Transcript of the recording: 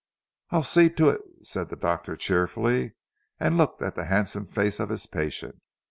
"I'll see to it," said the doctor cheerfully, and looked at the handsome face of his patient.